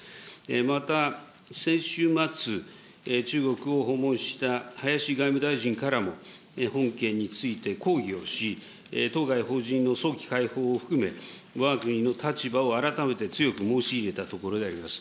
また先週末、中国を訪問した林外務大臣からも、本件について抗議をし、当該邦人の早期解放を含め、わが国の立場を改めて強く申し入れたところであります。